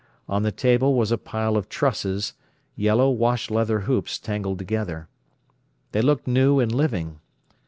On the table was a pile of trusses, yellow wash leather hoops tangled together. They looked new and living.